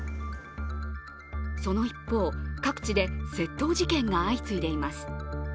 その一方、各地で窃盗事件が相次いでいます。